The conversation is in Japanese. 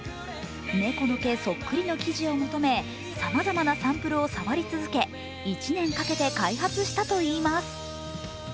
猫の毛そっくりの生地を求めさまざまなサンプルを触り続け１年かけて開発したといいます。